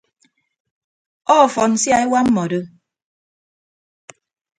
Ọfọn sia ewa mmọdo.